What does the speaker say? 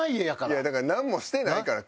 いやだからなんもしてないから。